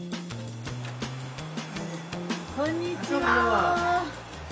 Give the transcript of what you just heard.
こんにちは！